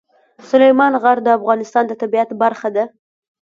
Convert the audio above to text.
سلیمان غر د افغانستان د طبیعت برخه ده.